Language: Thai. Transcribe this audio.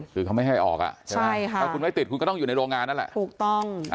คือเขาไม่ให้ออกอ่ะใช่ไหมถ้าคุณไม่ติดคุณก็ต้องอยู่ในโรงงานนั่นแหละถูกต้อง